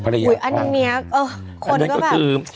อันนี้จะแบบ